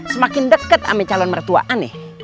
semakin dekat sama calon mertua aneh